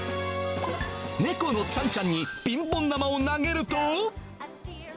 猫のちゃんちゃんにピンポン玉を投げると。